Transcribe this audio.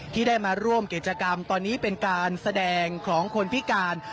ที่ได้มาร่วมกิจกรรมตอนนี้เป็นการแสดงของคนพิการ